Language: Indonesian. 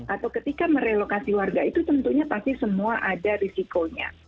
atau ketika merelokasi warga itu tentunya pasti semua ada risikonya